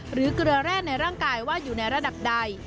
เกลือแร่ในร่างกายว่าอยู่ในระดับใด